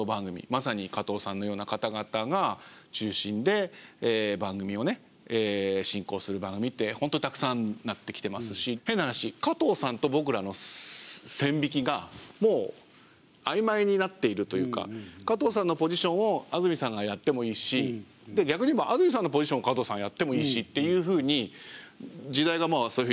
まさに加藤さんのような方々が中心で番組を進行する番組って本当にたくさんになってきていますし変な話加藤さんと僕らの線引きがもう曖昧になっているというか加藤さんのポジションを安住さんがやってもいいしで逆に言えば安住さんのポジションを加藤さんがやってもいいしというふうに時代がそういうふうになってきている。